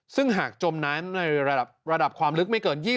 ซึ่งหากจมน้ำในระดับความลึกไม่เกิน๒๐